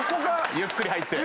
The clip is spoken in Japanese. ゆっくり入るの？